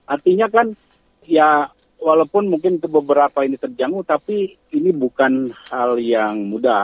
artinya kan ya walaupun mungkin beberapa ini terjangkau tapi ini bukan hal yang mudah